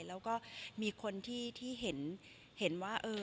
แล้วก็มีคนที่เห็นว่า